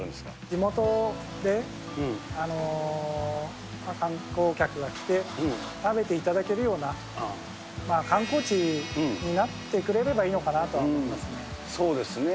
地元で観光客が来て、食べていただけるような、観光地になってくれればいいのかなとは思いまそうですね。